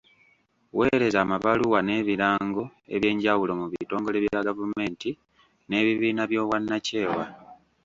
Weereza amabaluwa n’ebirango eby’enjawulo mu bitongole bya gavumenti n’ebibiina by’obwannakyewa.